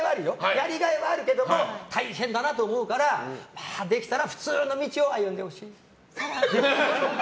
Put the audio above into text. やりがいはあるけども大変だなと思うからまあ、できたら普通の道を歩んでほしい。